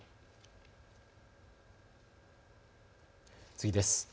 次です。